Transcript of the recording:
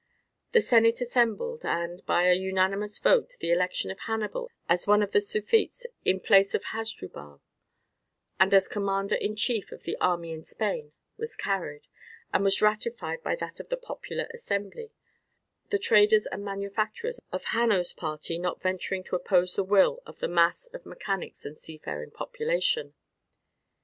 The senate assembled, and, by a unanimous vote the election of Hannibal as one of the suffetes in place of Hasdrubal, and as commander in chief of the army in Spain, was carried, and was ratified by that of the popular assembly, the traders and manufacturers of Hanno's party not venturing to oppose the will of the mass of mechanics and seafaring population.